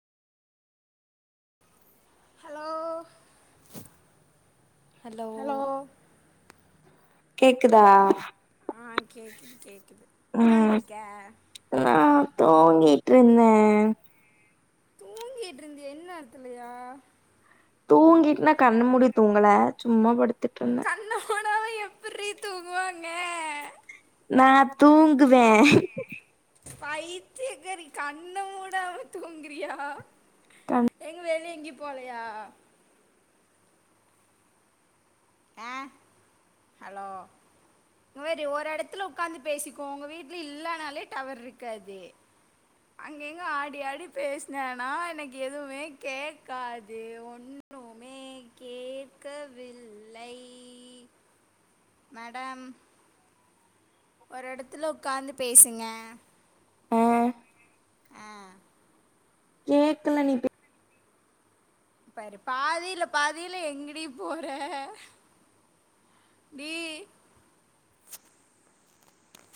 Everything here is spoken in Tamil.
ஹலோ ஹலோ கேக்குதா ஆ கேக்குது கேக்குது என்ன பன்ட்டுருக்கே தூங்கிட்ருந்தே தூங்கிட்ருந்தியா இந்நேறத்துலையா தூங்கிட்டுனா கண்ண மூடி தூங்கல சும்மா படுத் துட்ருந்தே கோனாம எப்புட்றி தூங்குவாங்க நா தூங்குவே பைத்திய காரி கண்ண மூடாம தூங்குறியா கண் எங்க வெளிய எங்கியு போலையா ஆ ஹலோ இங்க பாரு ஒரு எடத்துல உக்காந்து பேசிக்கோ உங்க வீட்ல இல்லனாலே டவர் இருக்காது அங்கெங்க ஆடி ஆடி பேசுனேன்னா எனக்கு எதுவுமே கேக்காது ஒண்ணும் எனக்கு கேட்கவில்லை மேடம் ஒரு இடத்துல உக்காந்து பேசுங்க ஆ ஆ கேக்குல நீ பே பாரு பாதில பாதில எங்கடி போற டி